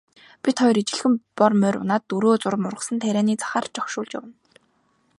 Бид хоёр ижилхэн бор морь унаад дөрөө зурам ургасан тарианы захаар шогшуулж явна.